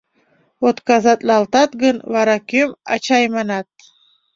Отказатлалтат гын, вара кӧм ачай манат?